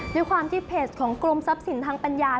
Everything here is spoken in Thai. ด้วยความที่เพจของกรมทรัพย์สินทางปัญญา